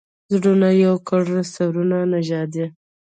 زړونه یو کړو، سرونه نژدې